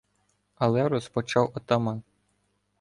Але розпочав отаман: